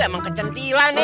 emang kecantilan ya